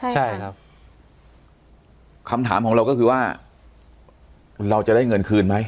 ใช่ครับคำถามของเราก็คือว่าเราจะได้เงินคืนไหม